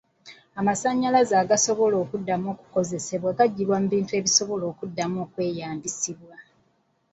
Amasannyalaze agasobola okuddamu okukozesebwa gaggyibwa mu bintu ebisobola okuddamu okweyambisibwa.